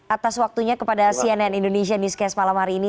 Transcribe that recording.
atas waktunya kepada cnn indonesia newscast malam hari ini